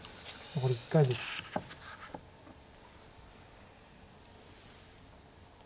残り１回です。